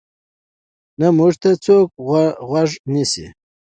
نه موږ ته څوک غوږ نیسي.